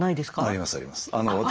ありますあります。